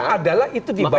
adalah itu dibawa ke